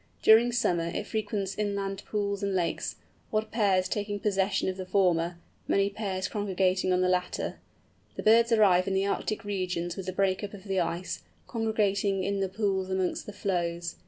During summer, it frequents inland pools and lakes; odd pairs taking possession of the former, many pairs congregating on the latter. The birds arrive in the Arctic regions with the break up of the ice, congregating in the pools amongst the floes.